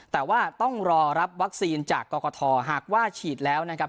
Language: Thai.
แต่ว่าต้องรอรับวัคซีนจากกรกฐหากว่าฉีดแล้วนะครับ